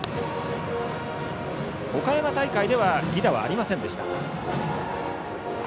岡山大会では犠打はありませんでした。